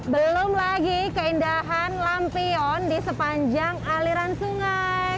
belum lagi keindahan lampion di sepanjang aliran sungai